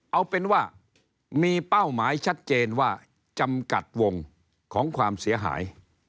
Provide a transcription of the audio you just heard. เอาเป็นว่ามีเป้าหมายชัดเจนว่าจำกัดวงของความเสียหาย